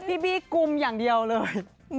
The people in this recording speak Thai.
พี่บี้กุมอย่างเดียวเลย